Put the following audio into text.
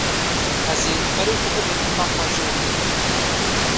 Ez ê berê xwe bidim taxa jêrê.